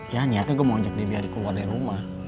ian niatnya gue mau ajak dia biar dikeluarin rumah